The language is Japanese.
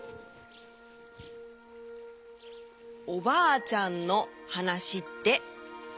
おばあちゃんのはなしって「いつ」のこと？